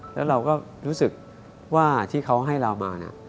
แล้วเราก็รู้สึกว่าที่เขาให้เรามา